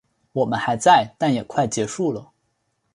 我们还在，但也快结束了